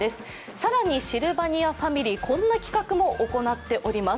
更に、シルバニアファミリーこんな企画も行っております。